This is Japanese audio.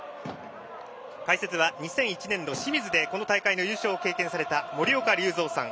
解説は２００１年、清水でこの大会の優勝を経験された森岡隆三さん。